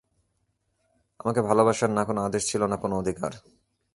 আমাকে ভালোবাসার না কোনো আদেশ ছিল না কোন অধিকার।